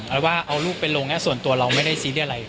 หรือว่าเอาลูกเป็นลงเนี้ยส่วนตัวเราไม่ได้ซีเรียร์อะไร